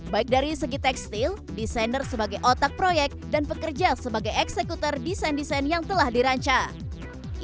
baik dari segi tekstil desainer sebagai otak proyek dan pekerja sebagai eksekutor desain desain yang telah dirancang